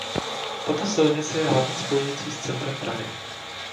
Tato silnice je hlavní spojnicí s centrem Prahy.